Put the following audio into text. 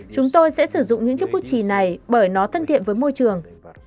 chúng tôi sẽ sử dụng những chiếc bút trì này bởi nó thân thiện với môi trường